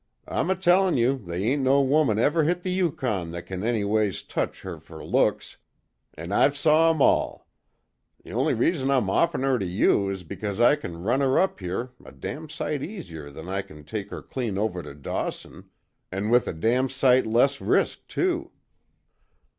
I'm a tellin' you they ain't no woman ever hit the Yukon that kin anyways touch her fer looks an' I've saw 'em all. The only reason I'm offerin' her to you is because I kin run her up here a damn sight easier than I kin take her clean over to Dawson an' with a damn sight less risk, too."